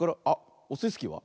オスイスキーは？